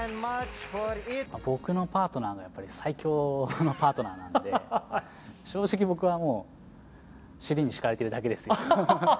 僕のパートナーが、最強のパートナーなので、正直、僕は尻に敷かれているだけですよ。